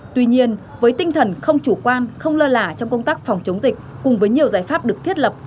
tuy nhiên với tinh thần không chủ quan không lơ lả trong công tác phòng chống dịch cùng với nhiều giải pháp được thiết lập